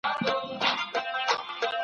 بخيل انسان هېڅکله نه مړيږي.